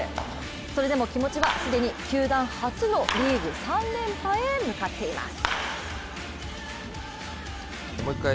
それでも気持ちは既に球団初のリーグ３連覇へ向かっています。